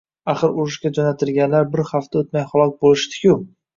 Axir, urushga jo`natilganlar bir hafta o`tmay halok bo`lishdi-ku